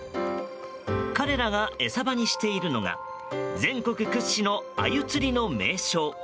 彼らが餌場にしているのが全国屈指のアユ釣りの名所